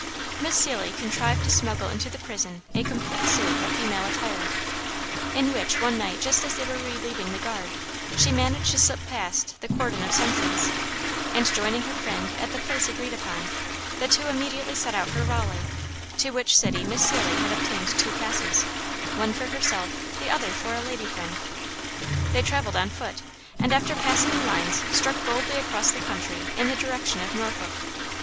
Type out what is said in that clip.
Miss Seelye contrived to smuggle into the prison a complete suit of female attire, in which, one night just as they were relieving the guard, she managed to slip past the cordon of sentries, and joining her friend at the place agreed upon, the two immediately set out for Raleigh, to which city Miss Seelye had obtained two passes, one for herself, the other for a lady friend. They traveled on foot, and after passing the lines struck boldly across the country in the direction of Norfolk.